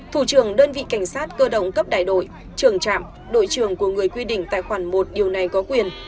thủ trưởng đơn vị cảnh sát cơ động cấp đại đội trưởng trạm đội trưởng của người quy định tại khoản một điều này có quyền